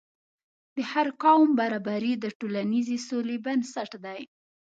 د هر قوم برابري د ټولنیزې سولې بنسټ دی.